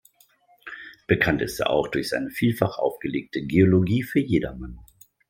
Bekannt ist er auch durch seine vielfach aufgelegte "Geologie für Jedermann".